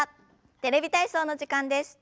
「テレビ体操」の時間です。